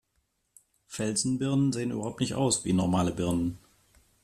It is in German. Felsenbirnen sehen überhaupt nicht aus wie normale Birnen.